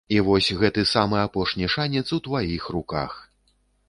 І вось, гэты самы апошні шанец у тваіх руках!